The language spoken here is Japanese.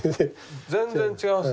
全然違います。